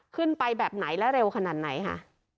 ขึ้นไปแบบไหนและเร็วขนาดไหนคะ